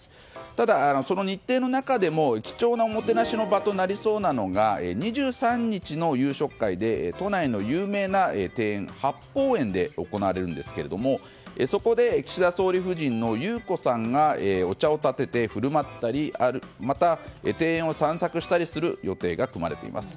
ただ、日程の中でも貴重なおもてなしの場となりそうなのが２３日の夕食会で都内の有名な庭園八芳園で行われるんですがそこで岸田総理夫人の裕子さんがお茶をたてて振る舞ったりまたは庭園を散策したりする予定が組まれています。